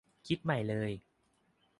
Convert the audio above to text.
คิดใหม่เลย